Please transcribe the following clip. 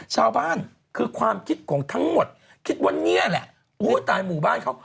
ชาวบ้านคือความคิดของทั้งหมดคิดว่านี่แหละอุ้ยตายหมู่บ้านเขา